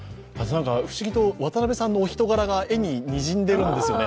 不思議と渡邊さんのお人柄が絵ににじんでいるんですよね。